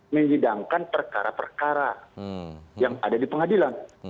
menyidangkan perkara perkara yang ada di pengadilan